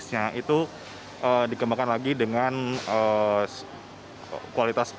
singapura dan malaysia